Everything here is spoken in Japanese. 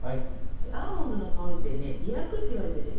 アーモンドの香りってね「媚薬」っていわれててね